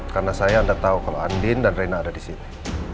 karena saya anda tahu kalau andi dan reina ada di sini